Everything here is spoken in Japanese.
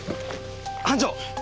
班長！